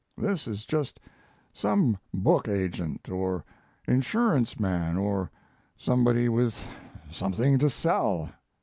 This is just some book agent, or insurance man, or somebody with something to sell.